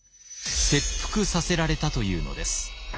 切腹させられたというのです。